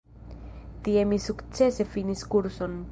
Tie mi sukcese finis kurson.